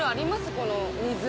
この水。